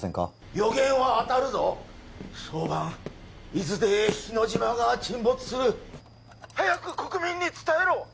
予言は当たるぞ早晩伊豆で日之島が沈没する☎早く国民に伝えろ！